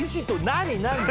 何？